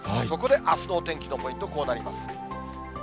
そこであすのお天気のポイント、こうなります。